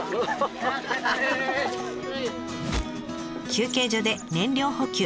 休憩所で燃料補給。